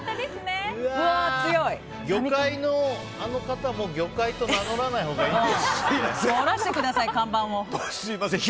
魚介のあの方も、魚介と名乗らないほうがいいですね。